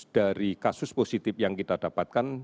dari kasus positif yang kita dapatkan